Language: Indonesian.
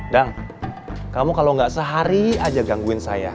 dong kamu kalau nggak sehari aja gangguin saya